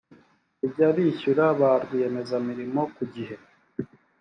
kujya bishyura ba rwiyemezamirimo ku gihe